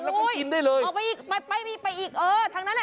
แล้วก็กินได้เลยออกไปอีกไปไปอีกเออทางนั้นอ่ะ